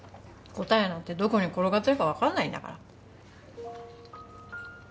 答えなんてどこに転がってるか分かんないんだから。